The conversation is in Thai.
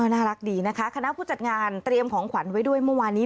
น่ารักดีนะคะคณะผู้จัดงานเตรียมของขวัญไว้ด้วยเมื่อวานนี้